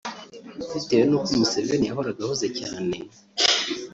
bitewe n’uko Museveni yahoraga ahuze cyane